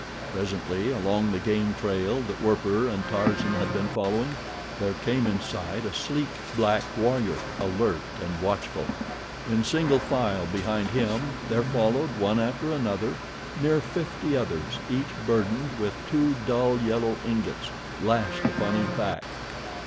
Presently, along the game trail that Werper and Tarzan had been following, there came in sight a sleek, black warrior, alert and watchful. In single file behind him, there followed, one after another, near fifty others, each burdened with two dull yellow ingots lashed upon his back.